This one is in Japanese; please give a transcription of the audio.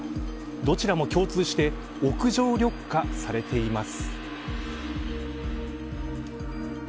どちらも共通して屋上緑化されています。